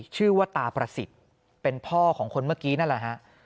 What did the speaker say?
ชื่อว่าตาประสิทธิ์เป็นพ่อของคนเมื่อกี้นั่นแหละฮะ